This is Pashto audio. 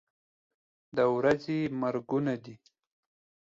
د ورځې مرګونه دي.